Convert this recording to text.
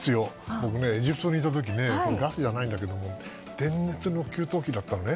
僕、エジプトにいた時ガスじゃないんだけど電熱の給湯器だったのね。